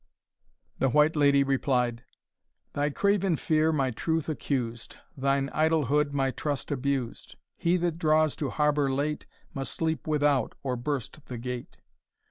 The White Lady replied: "Thy craven fear my truth accused, Thine idlehood my trust abused; He that draws to harbour late, Must sleep without, or burst the gate.